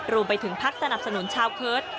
รวมไปถึงพักสนับสนุนชาวเคิร์ต